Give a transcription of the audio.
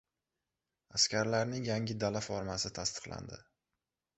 Askarlarning yangi dala formasi tasdiqlandi